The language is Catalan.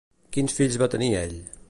Quins fills va tenir ell?